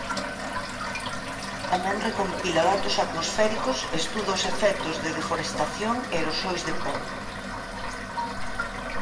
Tamén recompila datos atmosféricos e estuda os efectos de deforestación e aerosois de po.